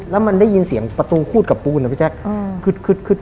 แล้วมันได้ยินเสียงประตูคูดกับปูนนะพี่แจ๊ค